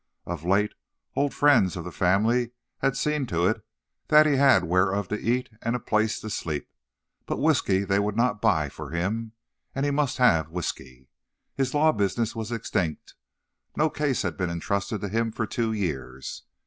Of late, old friends of the family had seen to it that he had whereof to eat and a place to sleep—but whiskey they would not buy for him, and he must have whiskey. His law business was extinct; no case had been intrusted to him in two years.